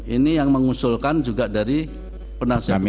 ini yang mengusulkan juga dari penasihat hukum